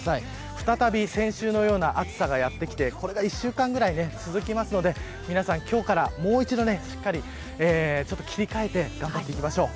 再び先週のような暑さがやってきてこれが１週間ぐらい続きますので皆さん、今日からもう一度しっかりちょっと切り替えて頑張っていきましょう。